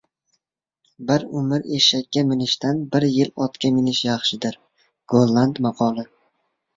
Bir umr eshakka minishdan bir yil otga minish yaxshidir. Golland maqoli